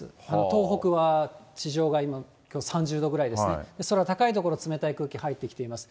東北は地上が今、３０度ぐらいですね、空高い所、冷たい空気入ってきています。